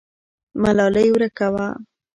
ملالۍ ورکه وه.